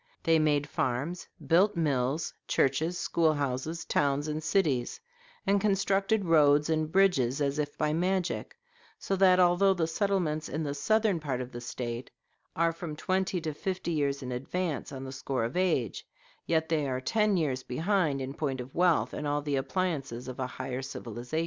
They made farms, built mills, churches, school houses, towns, and cities, and constructed roads and bridges as if by magic; so that although the settlements in the southern part of the State are from twenty to fifty years in advance on the score of age, yet are they ten years behind in point of wealth and all the appliances of a higher civilization."